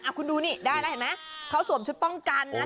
คุณดูนี่ได้แล้วเห็นไหมเขาสวมชุดป้องกันนะ